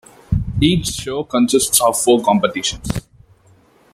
Each show consists of four competitions.